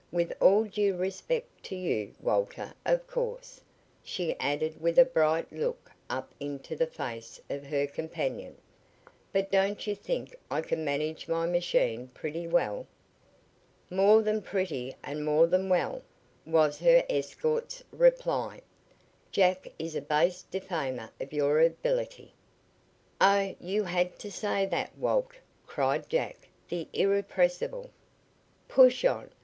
"With all due respect to you, Walter, of course," she added with a bright look up into the face of her companion. "But don't you think I can manage my machine pretty well?" "More than pretty and more than well," was her escort's reply. "Jack is a base defamer of your ability." "Oh, you had to say that, Walt!" cried Jack, the irrepressible. "Push on.